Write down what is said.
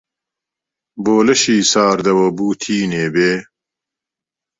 بۆ لەشی ساردەوە بوو تینێ بێ؟